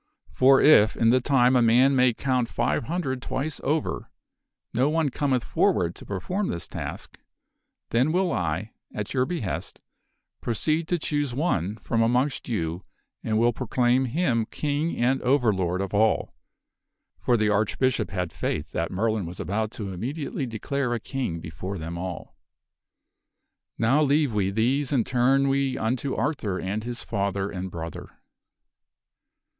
For if, in the time a man may count five hundred twice over, no one cometh forward to perform this task, then will I, at your behest, proceed to choose one from amongst you and will proclaim him King and Overlord of all." For the Archbishop had faith that Merlin was about to immediately declare a king before them all. Now leave we these and turn we unto Arthur and his father and brother.